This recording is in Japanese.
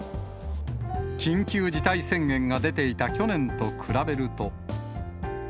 緊急事態宣言が出ていた去年と比べると。